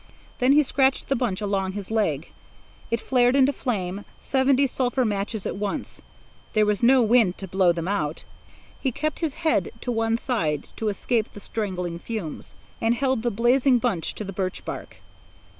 Then he scratched the bunch along his leg. It flared into flame, seventy sulphur matches at once! There was no wind to blow them out. He kept his head to one side to escape the strangling fumes, and held the blazing bunch to the birch bark.